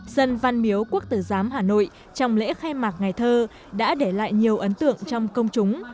sân văn miếu quốc tử giám hà nội trong lễ khai mạc ngày thơ đã để lại nhiều ấn tượng trong công chúng